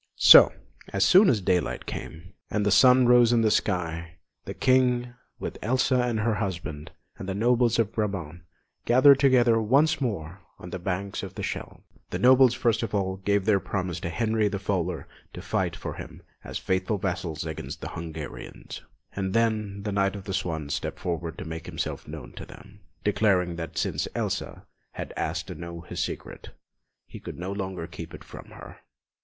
So, as soon as daylight came, and the sun rose in the sky, the King, with Elsa and her husband and the nobles of Brabant, gathered together once more on the banks of the Scheldt. The nobles first of all gave their promise to Henry the Fowler to fight for him as faithful vassals against the Hungarians; and then the Knight of the Swan stepped forward to make himself known to them, declaring that since Elsa had asked to know his secret, he could no longer keep it from her.